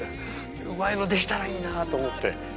うまいのできたらいいなと思って。